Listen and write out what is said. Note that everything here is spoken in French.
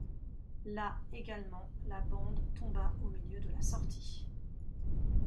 Là, également, la bande tomba au milieu de la sortie.